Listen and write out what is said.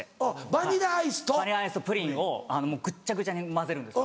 バニラアイスとプリンをぐっちゃぐちゃに混ぜるんです。